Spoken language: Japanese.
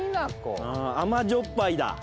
甘じょっぱいだ。